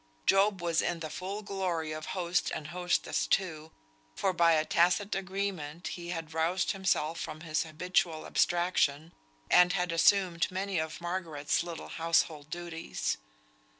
Job was in the full glory of host and hostess too, for by a tacit agreement he had roused himself from his habitual abstraction, and had assumed many of Margaret's little household duties.